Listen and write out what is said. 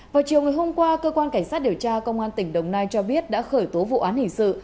vào chiều ngày hôm qua cơ quan cảnh sát điều tra công an tỉnh đồng nai cho biết đã khởi tố vụ án hình sự